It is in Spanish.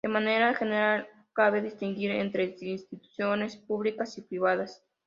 De manera general cabe distinguir entre instituciones públicas y privadas.